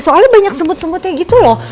soalnya banyak sembut sembutnya gitu loh